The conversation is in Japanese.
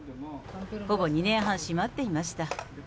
ほぼ２年半、閉まっていました。